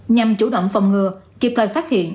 nhằm chủ động phòng ngừa kịp thời phát hiện